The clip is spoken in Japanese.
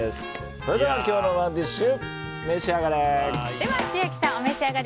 それでは今日のＯｎｅＤｉｓｈ召し上がれ。